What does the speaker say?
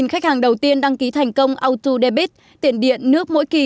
ba khách hàng đầu tiên đăng ký thành công autodebit tiền điện nước mỗi kỳ